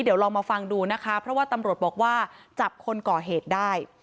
เดี๋ยวลองมาฟังดูนะคะเพราะว่าตำรวจบอกว่าจับคนก่อเหตุได้